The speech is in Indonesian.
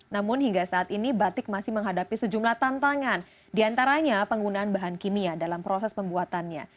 namun hingga saat ini batik masih menghadapi sejumlah tantangan diantaranya penggunaan bahan kimia dalam proses pembuatannya